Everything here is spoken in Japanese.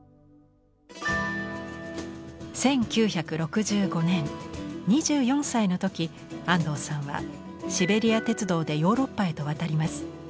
１９６５年２４歳の時安藤さんはシベリア鉄道でヨーロッパへと渡ります。